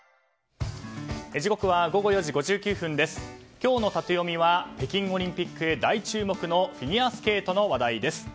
今日のタテヨミは北京オリンピックで大注目のフィギュアスケートの話題です。